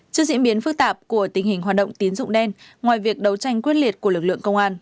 trước diễn biến phức tạp của tình hình hoạt động tín dụng đen ngoài việc đấu tranh quyết liệt của lực lượng công an